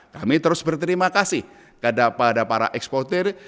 kami terus berterima kasih kepada para eksportir